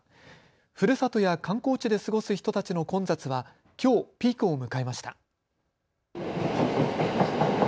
ふるさとや観光地で過ごす人たちの混雑はきょうピークを迎えました。